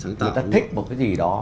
người ta thích một cái gì đó